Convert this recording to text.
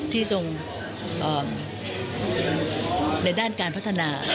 ทรงในด้านการพัฒนา